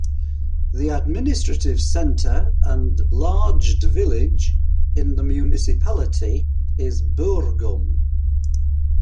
The administrative centre and larged village in the municipality is Burgum.